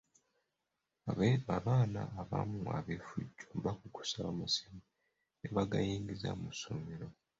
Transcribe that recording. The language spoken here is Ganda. Abaana abamu ab'effujjo bakukusa amasimu ne bagayingiza mu ssomero.